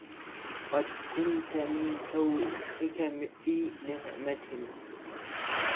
قد كنتَ مِن كُوخِكَ في نِعمةٍ